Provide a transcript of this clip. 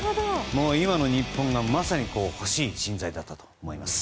今の日本が、まさに欲しい人材だったと思います。